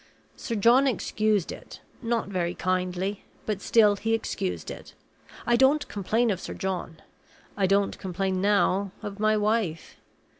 Sir John excused it, not very kindly; but still he excused it. I don't complain of Sir John! I don't complain now of my wife."